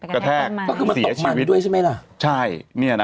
กระแทกเสียชีวิตเขาก็มาตกหมันด้วยใช่ไหมล่ะ